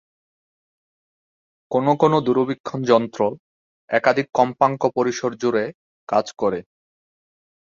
কোনও কোনও দূরবীক্ষণ যন্ত্র একাধিক কম্পাঙ্ক পরিসর জুড়ে কাজ করে।